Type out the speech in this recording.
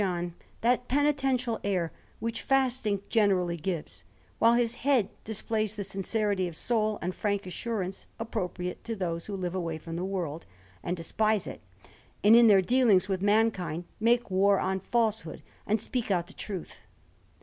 John that penitential air which fasting generally gives, while his head displays the sincerity of soul and frank assurance appropriate to those who live away from the world and despise it, and, in their dealings with mankind, make war on falsehood and speak out the truth.